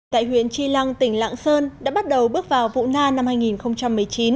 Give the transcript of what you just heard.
tại huyện tri lăng tỉnh lạng sơn đã bắt đầu bước vào vụ na năm hai nghìn một mươi chín